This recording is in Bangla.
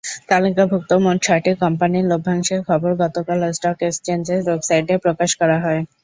তালিকাভুক্ত মোট ছয়টি কোম্পানির লভ্যাংশের খবর গতকাল স্টক এক্সচেঞ্জের ওয়েবসাইটে প্রকাশ করা হয়।